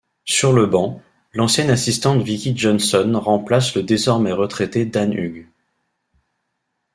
Sur le banc, l'ancienne assistante Vickie Johnson remplace le désormais retraité Dan Hughes.